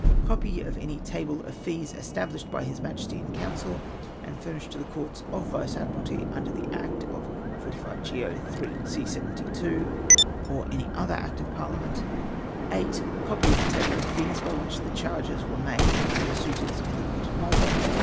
Copy of any Table of P'ees established by His Majesty in Council, and furnished to the Courts of Vice Admiralty under the Act of 45 Greo. III. c. 72, or any other Act of Parliament. 8. .92 ME. YORKE'S OPINION. Copy of the Table of Fees by which the charges were made ou the suitors in the Court at Malta.